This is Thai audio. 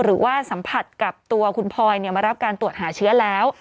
หรือว่าสัมผัสกับตัวคุณพลอยมารับการตรวจหาเชื้อแล้ว